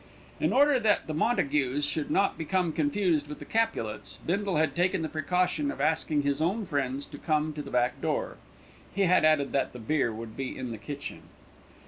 In order that the Montagues should not become confused with the Capulets, Bindle had taken the precaution of asking his own friends to come to the back door. He had added that the beer would be in the kitchen.